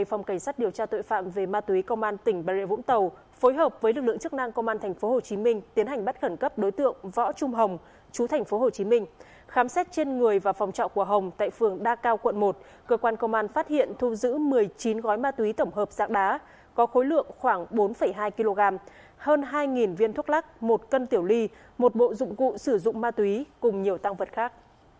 phòng cảnh sát điều tra tội phạm về ma túy công an tỉnh bà rịa vũng tàu vừa bắt giữ đối tượng có hành vi mua bán trái phép chất ma túy thu giữ khoảng bốn hai kg ma túy đá hơn hai viên thuốc lắc một cân tiểu ly một bộ dụng cụ sử dụng ma túy cùng nhiều tăng vật khác